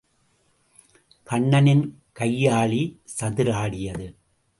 கண்ணனின் கையாழி சதிர் ஆடியது.